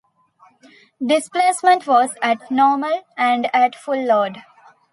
Displacement was at normal and at full load.